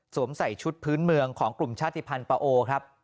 ใส่ชุดพื้นเมืองของกลุ่มชาติภัณฑ์ปะโอครับ